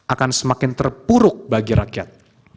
akan semakin terpuruk bagi rakyat